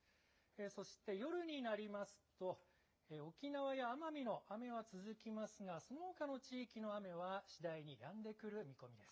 そして夜になりますと、沖縄や奄美の雨は続きますが、そのほかの地域の雨は次第にやんでくる見込みです。